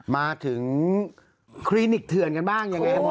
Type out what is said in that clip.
มาถึงคลินิกเถื่อนกันบ้างยังไงครับมอเตอร์